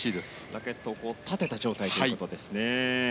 ラケットを立てた状態ということですね。